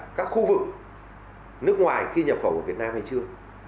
đối với cả các khu vực nước ngoài khi nhập khẩu ở việt nam hay chưa